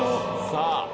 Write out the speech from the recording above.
さあ